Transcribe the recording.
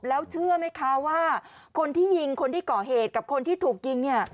แล้วเชื่อไม่ว่าคนที่ยิงคนที่เกาะเหตุกับคนที่ถูกยิง